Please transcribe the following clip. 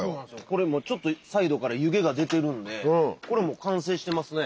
これもうちょっとサイドから湯気が出てるんでこれもう完成してますね。